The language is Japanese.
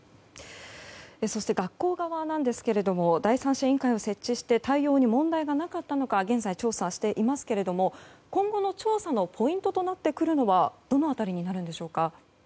そして、学校側ですが第三者委員会を設置して対応に問題がなかったのか現在、調査していますけれども今後の調査のポイントとなってくるのはどの辺りになるんでしょうか？